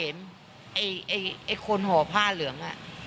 ไอ้แก่เสมไอ้คนห่อผ้าเหลือง